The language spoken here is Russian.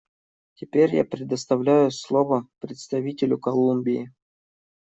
Теперь я предоставляю слово представителю Колумбии.